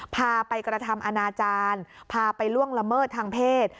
พาไปกระทำอนาจารย์พาไปล่วงละเมิดทางเพศ